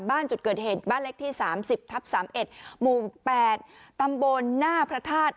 บ้านจุดเกิดเหตุบ้านเล็กที่๓๐ทับ๓๑หมู่๘ตำบลหน้าพระธาตุ